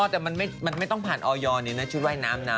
อ๋อแต่มันไม่ต้องผ่านออยอร์เนี่ยเนอะชุดว่ายน้ำนะ